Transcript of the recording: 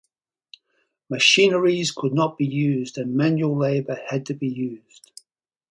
Machineries could not be used and manual labor had to be used.